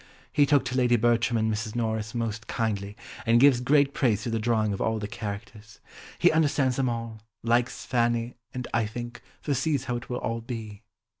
He took to Lady Bertram and Mrs. Norris most kindly, and gives great praise to the drawing of all the characters. He understands them all, likes Fanny, and, I think, foresees how it will all be."